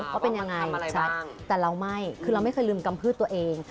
ว่าเป็นยังไงแต่เราไม่คือเราไม่เคยลืมกำพืชตัวเอง